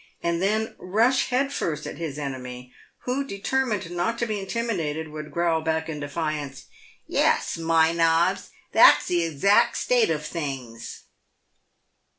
and then rush head first at his enemy, who, determined not to be intimidated, would growl back in defiance, " Yes, 'my nobs, 5 that's the exact state of things."